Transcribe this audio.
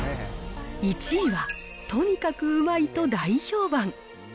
１位は、とにかくうまいと大評判。